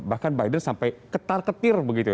bahkan biden sampai ketar ketir begitu ya